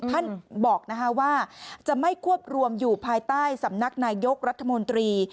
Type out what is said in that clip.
ท่านบอกว่าจะไม่ควบรวมอยู่ภายใต้สำนักนายยกรัฐมนตรี